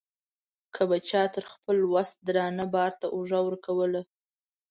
که به چا تر خپل وس درانه بار ته اوږه ورکوله.